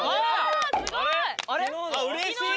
うれしい！